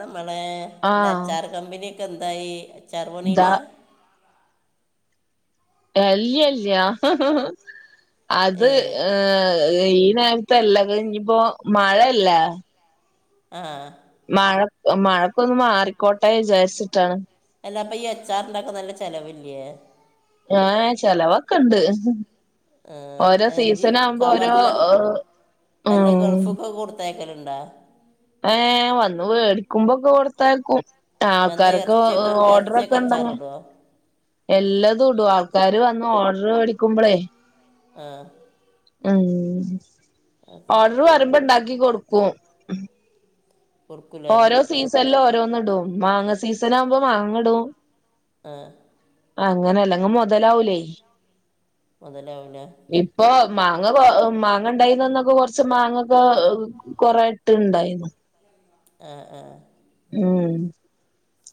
നമ്മളേ അന്റെ ആഹ് അച്ചാർ കമ്പനിയൊക്കെന്തായി അച്ചാർ ദാ പണീലാ? [unintelligible] ഏ അത് ഏഹ് ഏഹ് ഈ നേരത്തെല്ലാം കഴിഞ്ഞ്പ്പോ മഴെല്ലേ ആഹ് മഴ മഴക്കൊന്ന് മാറിക്കോട്ടെ വിചാരിച്ചിട്ടാണ് അല്ല അപ്പൊ ഈ അച്ചാർ ഇണ്ടാക്കാൻ നല്ല ചെലവില്ലേ ആഹ് ചെലവൊക്കെണ്ട് ഓരോ ആദ്യം എഞ്ചി സീസൺ ആവുമ്പോ ഓരോ കവറിലാ അല്ല ഉം ഗൾഫിക്ക് കൊടുത്ത ത്തയക്കലുണ്ടോ ഏഹ് വന്ന് വേടിക്കുമ്പോക്കെ കൊട്ത്തയക്കും ആ എന്താ ആൾക്കാരൊക്കെ ഇറച്ചിയൊക്കെ ഓർഡറൊക്കെ ഇറച്ചിയൊക്കെ ഉണ്ടെങ്കിൽ അച്ചാറിടുമോ എല്ലാതും ഇടും ആൾക്കാര് വന്ന് ഓർഡർ വേടിക്കുമ്പളേ ആഹ് ഉം അത് ശരി ഓർഡർ വരുമ്പോ ഇണ്ടാക്കി കൊടുക്കും കുറുക്കൂലേ ഓരോ സീസണിലും ഓരോന്ന് ഇടും മാങ്ങ സീസൺ ആവുമ്പോ മാങ്ങ ഇടും ആഹ് അങ്ങനെ അല്ലെങ് മുതലാവൂലേ മുതലാവുല്ല ഇപ്പൊ മാങ്ങ മാങ്ങ ഉണ്ടായിന്നന്നൊക്കെ കുറച്ച് മാങ്ങൊക്കെ കൊറെ ഇട്ട് ഇണ്ടായി ആഹ് ആഹ് ഉം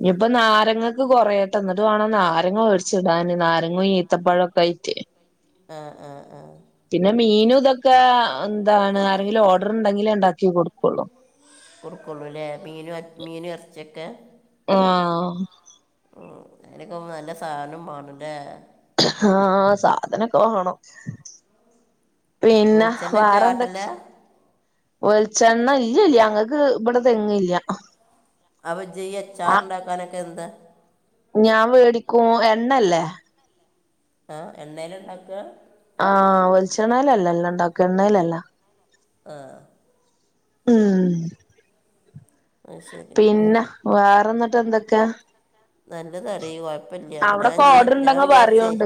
ഇനിപ്പൊ നാരങ്ങക്ക് കൊറയട്ടെ എന്ന്ട്ട് വേണം നാരങ്ങ മേ ച്ചിടാന് നാരങ്ങും ഈത്തപ്പഴൊക്കെ ആയിട്ട് ആഹ് ആഹ് ആഹ് പിന്നെ മീനും ഇതൊക്കെ എന്താണ് ആരെങ്കിലും ഓർഡർ ഉണ്ടെങ്കിലേ ഇണ്ടാക്കി കൊടുക്കുള്ളൂ കൊടുക്കുള്ളൂല്ലേ മീന മീനും ഇറച്ചൊക്കെ ആഹ് ഉം അനക്കെ നല്ല സാനം വേണല്ലേ ആഹ് സാധനൊക്കെ വാണം പിന്നെ വെളിച്ചെണ്ണ വാറെ എന്തൊക്കെ ചാട്ടല്ലേ വളിച്ചെണ്ണ ഇല്ലല്ല അങ്ങക്ക് ഇവിടെ തെങ്ങില്ല്യാ അവ ജ്യ അച്ചാറുണ്ടാക്കാനൊക്കെ എന്താ ഞാൻ വേടിക്കും എണ്ണല്ലേ ആഹ് എണ്ണയിലിണ്ടാക്ക ആഹ് വെളിച്ചെണ്ണഴിലല്ലല്ലോ ഇണ്ടാക്ക എണ്ണഴിലല്ല ആഹ് ഉം അത് ശരി പിന്നെ വാറേ ന്നട്ട് എന്തൊക്കെ നല്ലതാടി കൊഴപ്പല്ല അപ്പൊ ഞാൻ അവിടൊക്കെ നീ ഓർഡർ ഞാൻ ഉണ്ടെങ്കി വിചാരിച്ചേ പറയോണ്ട്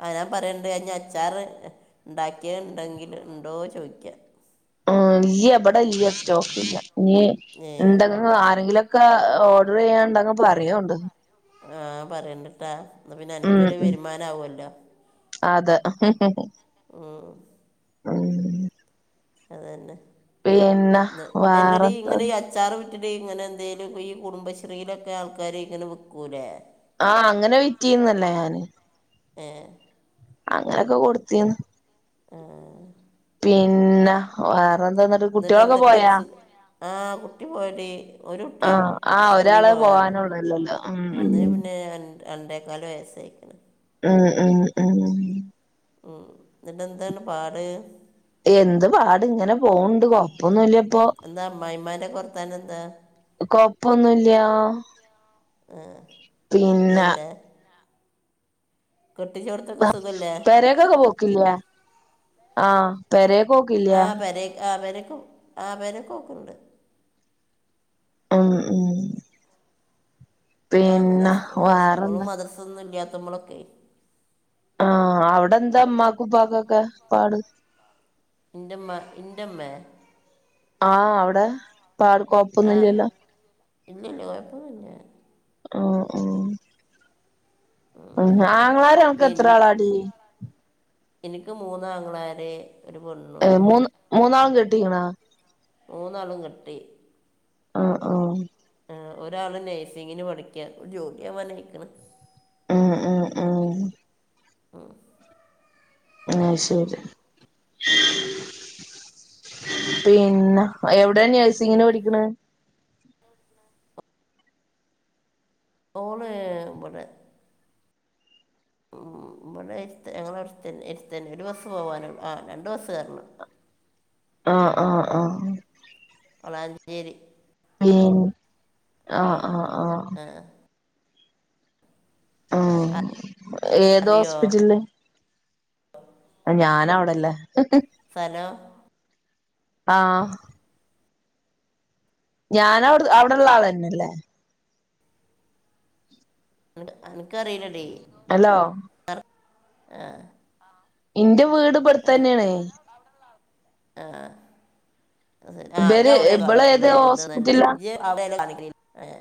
ആ ഞാൻ പറയണ്ട് ഞ്ഞ അച്ചാറ് ഇണ്ടാക്കിയ ഇണ്ടെങ്കി ഉണ്ടോ ചോഴിക്ക ആഹ് ഇല്ല്യ വടെ ഇല്ല്യട്ടൊ ഞ് ഏ [unintelligible] ആരെങ്കിലൊ ക്ക ഓർഡർ ചെയ്യാൻ ണ്ടങ്ക് പറയോണ്ട് ആ പറയണ്ട്ട്ടാ പിന്നെ ഉം അൻക്കൊരു ഉം വരുമാനം ആവൊല്ലോ അതെ ഉം ഉം അതന്നെ പിന്നെ എല്ലടി വേറെന്താ ഇങ്ങനെ എ അച്ചാറ് വിറ്റിട്ട് ഇങ്ങനെ എന്തേലും ഈ കുടുംബശ്രീയിലൊക്കെ ആൾക്കാര് ഇങ്ങനെ വിക്കൂലേ ആ അങ്ങനെ വിറ്റീര്ന്നല്ലേ ഞാന് ഏഹ് അങ്ങനോക്കെ കൊടുത്തീന്ന് ആ ആ പിന്നെ വേറെന്താന്നട്ട് എന്നിട്ട് കുട്ട്യാളൊക്കെ എന്തൊക്കെ പോയാ സു ആ കുട്ടി പോയടീ ഒരു കുട്ടി ആഹ് ആഹ് സ്കൂളി ഒരാളെ പോവല്ണ്ട് പോവാനുള്ളൂല്ലല്ലോ ഉം ഉം ഒന്ന്ന് പിന്നെ ഞൻ രണ്ടേക്കാല് വയസായിക്ക്ണ് ഉം ഉം ഉം ഉം ന്നട്ടന്താണ് പാട് എന്ത് പാട് ങ്ങനെ പോവ്ണ്ട് കൊയപ്പൊന്നുല്ല പ്പൊ എന്താ അമ്മായിമാരെ കുറത്താൻ എന്താ കൊയപ്പൊന്നുല്ല്യ ആ സുഖല്ലേ കെട്ടിച്ചോട്ത്ത് പെരെക്കൊക്കെ പോക്കില്ല്യെ ആ പെരെ പോക്കില്ല്യെ പെരെക്ക് ആ പേരെക്കൊവും ആ പെരെക്കൊക്കുണ്ട് ഉം ഉം ആ അങ്ങന പിന്നെ സ് സ്കൂളും വേറെന്താ മദ്രസൊന്നുല്ല്യാത്തപ്പൊളൊക്കെയ് ആ അവ്ടെന്താ മ്മാക്കും പ്പാക്കൊക്കെ പാട് ന്റമ്മാ ന്റമ്മെ ആ അവടെ പാട് ആ കൊയപ്പൊന്നുല്ല്യല്ലോ ഇല്ലില്ല കുഴപ്പമൊന്നുമില്ല ആ ആ ഉം ആങ്ങളാര് അൻക്ക് എത്രാളാടീ ഇൻക്ക് മൂന്നാങ്ങളാര് ഒരു പെണ്ണും ഏഹ് മൂന്ന് മൂന്നാളും കെട്ടീക്ക്ണോ മൂന്നാളും കെട്ടി ആ ആഹ് ആ ഒരാള് നഴ്സിങ്ങിന് പഠിക്ക്യ ജോലിയാവാനയിക്ക്‌ണ് ഉം ഉം ഉം ഉം ആ ശരി എങ്ങനെ പിന്നെ എവ്ടെ നഴ്സിങ്ങിന് പഠിക്ക്‌ണെ ഓള് ഇബടെ ഉം ഇവടര്ത്ത് [unintelligible] എര്ത്തന്നെ ഒരു ബസ്സ് പോവാനോള്ളൂ ആ രണ്ട് ബസ്സ് കേർണം ആഹ് ആഹ് ആഹ് വളാഞ്ചേരി പി ആഹ് ആഹ് ആഹ് ആഹ് ആഹ് ആ, ഏത് അറിയോ ഹോസ്പിറ്റല്ല്? ഞാനവടെല്ലേ. ഫലോ ആഹ് ഞാനവട് അവടെള്ള ആളന്നെല്ലേ. അൻക്കറിലടീ ഹലോ ആഹ് ഇന്റെ വീട് [unintelligible] ഇബടത്തന്നെയാണ് അവടള്ള ആളും ആഹ് ആഹ് ഇജ് ഇബര് അഔടെ ഇബള് ഏത് കാണിക്ക്ല്ലേ ഹോസ്പിറ്റലാ [unintelligible] ഏഹ്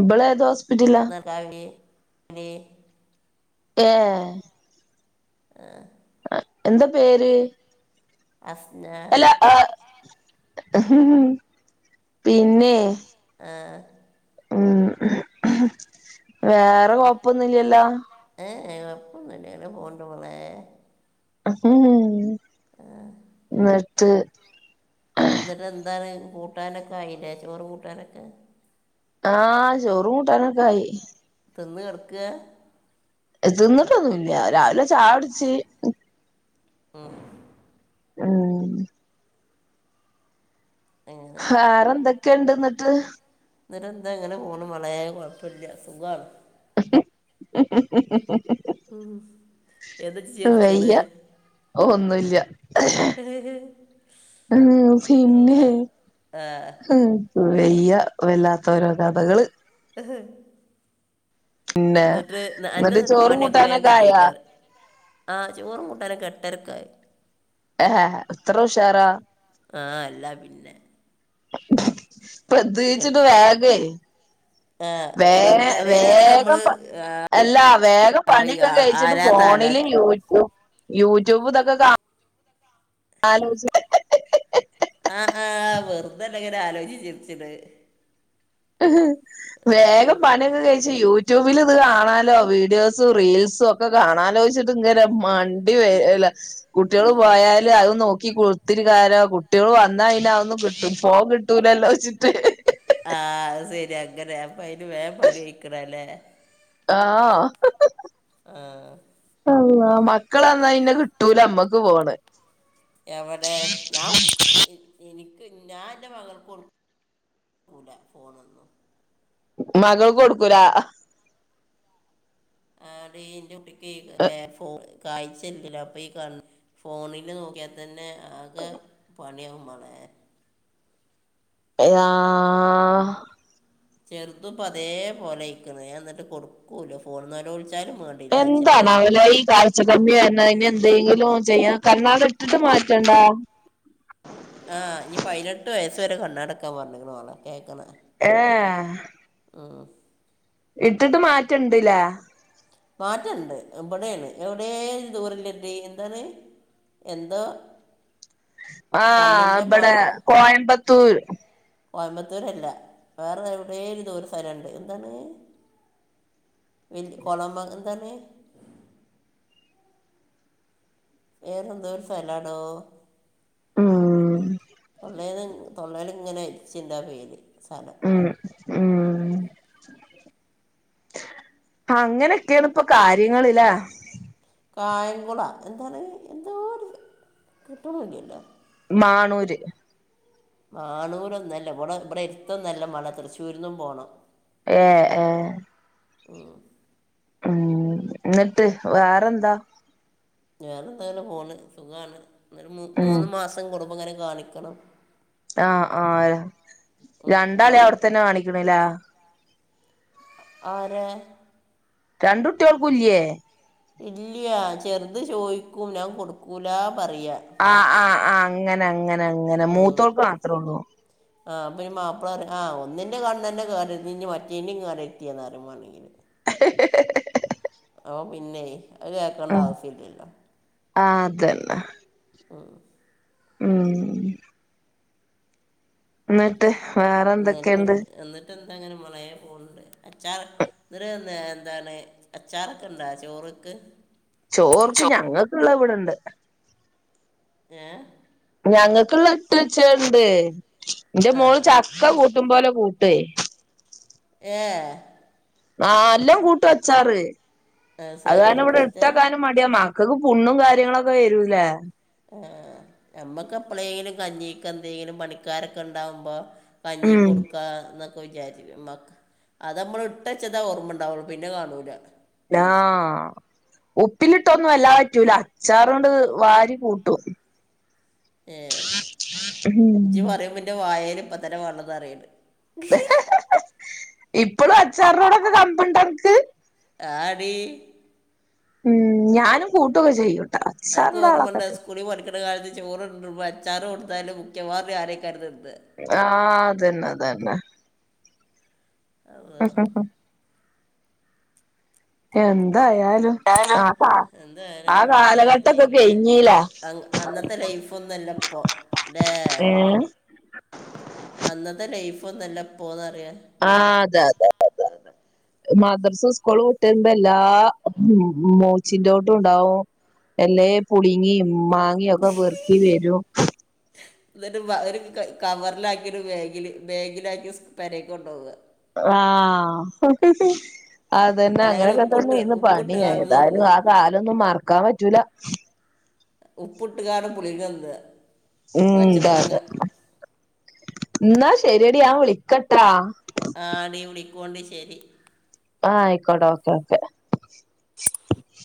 ഇബള് ഏത് ഹോസ്പിറ്റലാ? ചായ കുടി [unintelligible] പേ ആഹ് എന്താ പേര്? അസ്നാ ആഹ് പിന്നെ ആഹ് ഉം വേറെ കൊഴപ്പൊന്നില്ല്യല്ലോ? ഏഹ് ഏഹ് കൊഴപ്പന്നുല്ല ഇങ്ങനെ പോക്ണ്ട് ളേ. ന്ന്ട്ട് ന്ന്ട്ട് എന്താണ് കൂട്ടാനക്കെ ആയില്ലേ ചോറ് കൂട്ടാനക്കെ? ആഹ് ചോറും കൂട്ടാനൊക്ക ആയി. തിന്ന് കെട്ക്കാ? തിന്ന്ട്ടൊന്നുല്ല്യ രാവിലെ ചായ ട്ച്ച്. [unintelligible] [unintelligible] അങ്ങനെ വേറെ എന്തൊക്കെണ്ട് ന്ന്ട്ട്? ന്ന്ട്ട് എന്താ ഇങ്ങനെ പോണുമ്മളേ കൊഴപ്പല്ല്യ സുഖാണ്. ഹ് ഹ് ഹ് ഹ് ഉം എന്താജ് ചിർചിണ്? ഓഹ് ഒന്നുല്ല ഉം പിന്നെ. ആഹ് ഇൻക്ക് വയ്യ വല്ലാത്തോരോ കഥകള്. ഹ് ഹ് പിന്നെ ന്ന്ട്ട് അന്റെ എന്നിട്ട് ചോറും പണിക്കെ വേം കൂട്ടാനൊക്കെ ആയാ കെജേജക്കാരം? ആഹ് ചോറും കൂട്ടാനൊക്കെ എട്ടരക്കായി. എഹ് ഹാ ഇത്ര ഉഷാറാ ആഹ് എല്ല പിന്നെ. പ്രത്യേകിച്ചിട്ട് കെട്ട്- വേഗേ ആ വേം നം- പെരയിലാണെങ്കിൽ നമ്മൾ വേഗം പ എല്ല വേഗം പണിയൊക്കെ കഴ്ച്ചിട്ട് ആരാ താലാ ഫോണില് യൂട്യൂ യൂട്യൂബ് ഇതൊക്കെ കാ ആലോച ആഹ് ആഹ് വെർതല്ല ങ്ങനെ ആലോച്ച് ചിർച്ച്ണേ. വേഗം പണിയൊക്കെ കയ് ച്ച് യൂട്യൂബ്ൽ ഇത് കാണാലോ വീഡിയോസും റീൽസും ഒക്കെ കാണാലോ ച്ചിട്ട് ഇങ്ങനെ മൺ [unintelligible] കുട്ട്യള് പോയാല് അത് നോക്കി കുത്തിരികാലോ കു കുട്ട്യൾ വന്നാ പിന്നെ അഹന്നും കിട്ടും ഫോൺ കിട്ടൂലല്ലോച്ചിട്ട് ആഹ് അത് സര്യ. ങ്ങനെ അപ്പ അയിന് വേം പണി കഴിക്ക്ണാല്ലേ? ആഹ് ആ അള്ളാ മക്കളെന്നഴ്ന് കിട്ടൂലമ്മക്ക് ഫോണ് എവിടെ ഞാൻ എനിക്ക് ഞാൻ എൻ്റെ മകൾക്ക് കൊടു ക്കുല ഫോണൊന്നും മകൾക്കുകൊടുക്കൂലാ ആടീ ന്റെ കുട്ടിക്ക് വേ ഫോ കാഴ്ചയില്ലല്ലോ അപ്പൊ ഈ കണ്ണ് ഫോണില് നോക്കിയാതന്നെ ആകെ പണിയാവും മളെ അതാ ചെറുതുപ്പം അതേപോലെ ആയിക്കുണു ഞാൻ എന്നിട്ട് കൊടുക്കൂലാ ഫോണ് നെലോളിച്ചാലും വേണ്ട എന്താനാവലെ ഈ കാലത്ത് ഴ്ച്ച കമ്മിയായിരുന്നു അഴ്ന് എന്തെങ്കിലും ചെയ്യാ കണ്ണാടി ഇട്ടിട്ട് മാറ്റൊണ്ടാ ആ ഇനി പൈനെട്ട് വയസ്സുവരെ കണ്ണാടിക്കാൻ പറഞ്ഞേക്കണുമാളേ കേക്കണ് ഏ ആ ഉം ഇട്ടിട്ട് മാറ്റണ്ട്ല്ലേ മാറ്റണ്ട് ഇബ്ടേണ് എവിടെയേ ദൂറല്ലത് എന്താത് എന്തോ ആ കണ്ണിൻ്റെ ഇബ്ടെ മ കോയമ്പത്തൂര് കോയമ്പത്തൂരല്ല വേറെ എവിടേ ദൂരെസ്ഥലൊണ്ട് എന്താണ് വലൃ കൊളംമ്പങ്കരെ വേറെന്തോ ഒരു സ്ഥലാടോ ഉം തൊള്ളേല് തൊള്ളേല് ഇങ്ങനെ ഇരിച്ചണ്ടാ ആ പേര് സ്ഥലം ഉം ഉം അങ്ങനെ അങ്ങനെയാണ് ഇപ്പ കാര്യങ്ങള് ല്ലേ കായംകുളാ എന്താണ് എന്തോ ഒരു കിട്ടണുഇല്ലല്ലോ മാണൂര് മാണൂരോന്നും അല്ല ഇവിടെ ഇവിടെ അടുത്തൊന്നല്ല മളെ തൃശ്ശൂരിന്നും പോണം എ ഏ ഉം ഉം എന്നിട്ട് വേറെന്താ വേറെന്താ ഇങ്ങനെപോണ് സുഖാണ് ഇനി ഒരു മു ഉം മൂന്നുമാസം കുടുമ്പോ ഇങ്ങനെ കാണിക്കണം ആ ആ ര രണ്ടാളേയും അവിടെത്തന്നെ കാണിക്കണേല്ലേ ആരെ രണ്ടു കുട്ടിയോൾക്കും ഇല്ലേ ഇല്ലാ ചെറുതുചോയിക്കും ഞാൻ കൊടുക്കൂലാ പറയാ ആ ആ ആ അങ്ങനെ അങ്ങനെ അങ്ങനെ ഉം. മൂത്തോൾക്ക് മാത്രം ഒള്ളൂ ആ അപ്പം ഇനി മാപ്പ്ള പറയും ആ ഒന്നിൻ്റെ കണ്ണുതന്നെ കരഞ്ഞ് ഇനി മറ്റേൻ്റയും കറക്റ്റ് ചെയ്യുന്നറയും വാണെങ്കില് ഹ് ഹ് ഹാ ഹാ ഹാ ഓ പിന്നെ അതുകേക്കണ്ട ആവശ്യമില്ലല്ലോ ആ അതന്നെ ഉം ഉം എന്നിട്ട് വേറെ എന്തൊക്കെയുണ്ട് എന്നിട്ടിങ്ങനെ മളെ പോണുണ്ട് അച്ചാറ് ഇന്നൊരു നേ എന്താണ് അച്ചാറൊക്കെ ഉണ്ടാ ചോറുക്ക് ചോറുക്ക് ഞങ്ങക്കുള്ള ഇവിടൊണ്ട് ഏ ഞങ്ങക്കുള്ള ഇട്ട് വെച്ചൊണ്ട് ആ എന്റെമോള് ചക്കകൂട്ടും പോലെ കൂട്ടെ ഏ ആഹ് നല്ലോം കൂട്ടും അച്ചാറ് ആ അത് ശരി കാരണം അത്രക്ക് ഇവിടെ ഇഷ്ടം ഇട്ടെക്കാനും മ ല്ലാ മക്കക്ക് പുണ്ണും കാര്യങ്ങളോക്കെ വരൂലേ ആഹ് ഞമ്മക്ക് എപ്പളേലും കഞ്ഞിക്കെന്തേലും പണിക്കാരൊക്കെ ഇണ്ടാവുമ്പോ കഞ്ഞീക്ക് ഉം കൊടുക്കാന്ന് വിചാരിച്ച് മ്മക് അത് നമ്മള് ഇട്ടച്ചതാ ഓർമ്മണ്ടാവൊള്ളൂ പിന്നെ കാണൂല ആഹ് ഉപ്പിലിട്ടൊന്നും വല്ലാതെ പറ്റൂല അച്ചാറൊണ്ട് വാരി കൂ കോഫി ഏഹ് ഇജ്ജ് പറയുമ്പോ ഇൻ്റെ വായേല് ഇപ്പത്തന്നെ വള്ളം നെറയാണ് ഇപ്പളും അച്ചാറിനോടൊക്കെ കമ്പണ്ടോ അൻക്ക് ആഹ് ടീ ഉം ഞാനും കൂട്ടൊക്കെ ചെയ്യും അനക്ക് ഓർമണ്ടോ സ്കൂളി പഠിക് ക്ക്ണ കാലത്ത് ചോറോണ്ടരുമ്പോ അച്ചാറ് കൊണ്ട്ത്താല് മിക്കവാറും ഞാനേക്കാരം തിന്നാ ആഹ് അതന്നെ അതന്നെ [unintelligible] എന്തായാലും ആ കാ എന്തായാലും അങ്ങനൊക്കെ ജീവിത എ കഴിഞ്ഞീലാ അ അന്നത്തെ ലൈഫോന്നുല്ല ഇപ്പൊ ല്ലേ ഏഹ് അന്നത്തെ ലൈഫോന്നുല്ല ഇപ്പോന്നറ്യാ ആഹ് അതെ അതെ അതെ മദ്റസും സ്കൂള് വിട്ട് വര്മ്പോ എല്ലാ മു മൂച്ചിന്റോട്ടുണ്ടാവും എല്ലേ പുളിങ്ങിം മാങ്ങിയൊക്കെ പെറ്ക്കി വെരും ഇന്നെട്ട് മ ഒര് കൈ കവർലാക്ക്യോര് ബാഗിൽ ബേഗിലാക്കി സ് പേരേക്ക് കൊണ്ടോവാ ആഹ് അതന്നെ അല്ലെങ്കിൽ അങ്ങനെയൊക്കെ ഉപ്പിട്ട് തന്നെന്നു പണി ഉപ്പിട്ട് കാണ്ട് ഏതായാലും തിന്നുക ആ കാലൊന്നും മറ്ക്കാൻ പറ്റൂല ഉപ്പ്ട്ട്ക്കാണ്ട് പുളിങ്ങന്നാ ഉം അതെ ഇന്നാ ശെരിയടീ ഞാൻ വിളിക്കട്ടോ ആഹ് ടീ വിളിക്കോണ്ടി ശരി ആഹ് ആയിക്കോട്ടെ ഓക്കെ ഓക്കെ ചിലിം